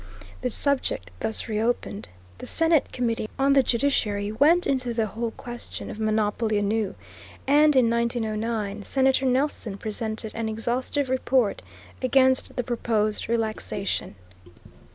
The subject thus reopened, the Senate Committee on the Judiciary went into the whole question of monopoly anew, and in 1909 Senator Nelson presented an exhaustive report against the proposed relaxation.